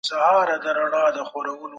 تعاون ټولنه سره نږدې کوي.